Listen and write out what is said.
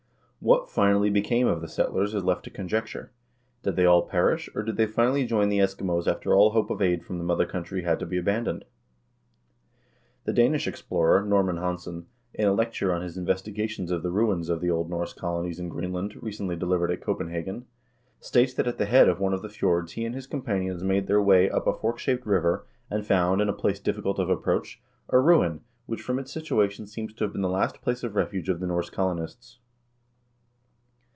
What, finally, became of the settlers is left to conjecture. Did they all perish ? or did they finally join the Eski mos after all hope of aid from the mother country had to be aban doned ? The Danish explorer, Normann Hansen, in a lecture on his investigations of the ruins of the Old Norse colonies in Greenland recently delivered at Copenhagen, states that at the head of one of the fjords he and his companions made their way up a fork shaped river, and found, in a place difficult of approach, a ruin which, from its situation, seems to have been the last place of refuge of the Norse colonists.